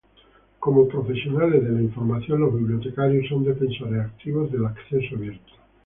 Como profesionales de la información, los bibliotecarios son defensores activos del acceso abierto.